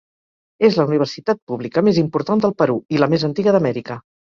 És la universitat pública més important del Perú, i la més antiga d'Amèrica.